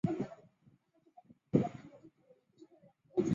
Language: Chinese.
殿试登进士第三甲第三十名。